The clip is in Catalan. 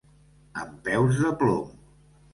Amb peus de plom.